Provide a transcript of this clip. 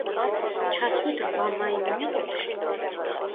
ჩასვით რვა მაიმუნი ყუთში.